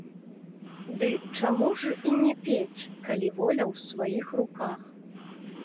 Ды чаму ж і не пець, калі воля ў сваіх руках.